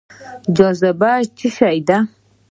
جاذبه څه شی دی؟